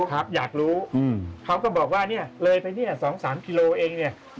ครับอยากรู้อืมเขาก็บอกว่าเนี่ยเลยไปเนี่ยสองสามกิโลเองเนี่ย